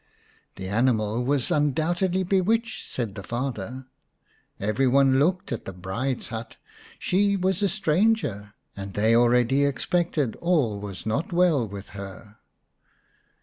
" The animal was undoubtedly bewitched," said the father. Every one looked at the bride's hut; she was a stranger, and they already expected all was not well with her.